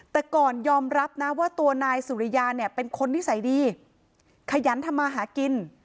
แต่ก่อนยอมรับนะว่าตัวนายสุริยาเนี่ยเป็นคนนิสัยดีขยันทำมาหากิน